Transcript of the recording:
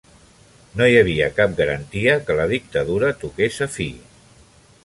No hi havia cap garantia que la dictadura toqués a fi.